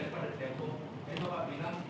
pak tuh saya pada tempo